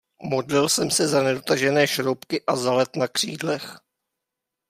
Modlil jsem se za nedotažené šroubky a za led na křídlech.